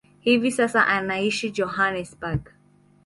Hivi sasa anaishi Johannesburg.